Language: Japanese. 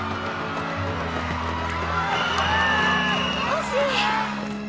惜しい！